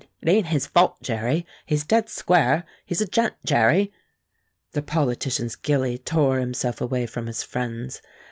"It ain't his fault, Jerry. He's dead square; he's a gent, Jerry." The politician's gilly tore himself away from his friends.